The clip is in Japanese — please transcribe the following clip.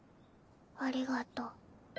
ありがとう。